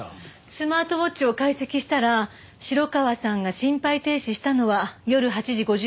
スマートウォッチを解析したら城川さんが心肺停止したのは夜８時５９分だった。